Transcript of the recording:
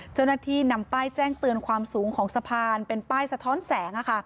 เจ้าหน้าที่นำป้ายแจ้งเตือนความสูงของสะพานเป็นป้ายสะท้อนแสง